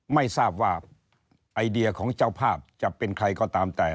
ไม่ทราบว่าไอเดียของเจ้าภาพจะเป็นใครก็ตามแต่